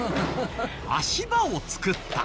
足場を作った。